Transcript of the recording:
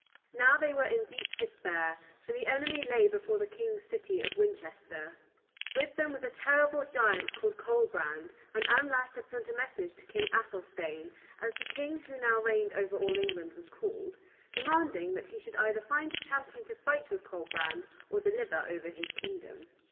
Now they were in deep despair, for the enemy lay before the King's city of Winchester. With them was a terrible giant called Colbrand, and Anlaf had sent a message to King Athelstane, as the King who now reigned over all England was called, demanding that he should either find a champion to fight with Colbrand or deliver over his kingdom.